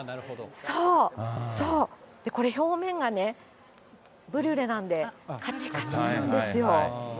そう、そう、これ、表面がね、ブリュレなんで、かちかちなんですよ。